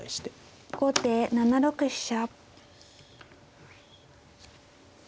後手７六飛車。